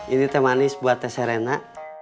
ini teh manis buat teh serena